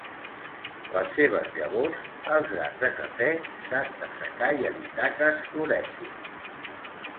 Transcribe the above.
Les seves llavors, els grans de cafè, s'han d'assecar i evitar que es floreixin.